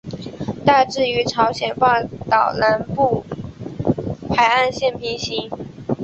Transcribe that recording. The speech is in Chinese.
大致与朝鲜半岛南部海岸线平行。